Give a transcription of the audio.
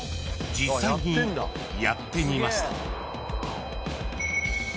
［実際にやってみました］